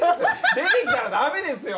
出て来たらダメですよ！